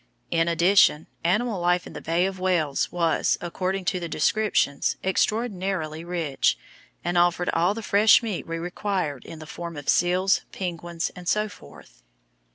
In addition, animal life in the Bay of Whales was, according to the descriptions, extraordinarily rich, and offered all the fresh meat we required in the form of seals, penguins, etc.